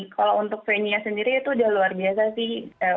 kalau untuk venue nya sendiri itu udah luar biasa sih